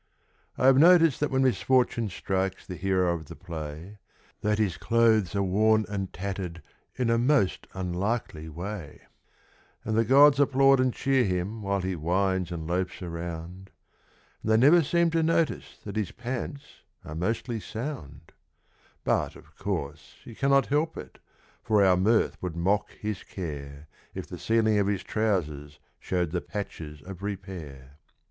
I have noticed when misfortune strikes the hero of the play That his clothes are worn and tattered in a most unlikely way ; And the gods applaud and cheer him while he whines and loafs around, But they never seem to notice that his pants are mostly sound ; Yet, of course, he cannot help it, for our mirth would mock his care If the ceiling of his trousers showed the patches of repair.